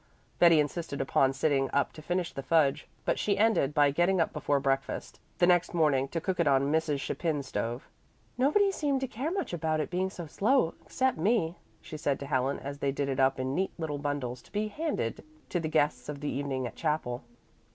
Betty insisted upon sitting up to finish the fudge, but she ended by getting up before breakfast the next morning to cook it on Mrs. Chapin's stove. "Nobody seemed to care much about its being so slow, except me," she said to Helen, as they did it up in neat little bundles to be handed to the guests of the evening at chapel.